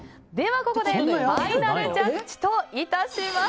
ここでファイナルジャッジといたします。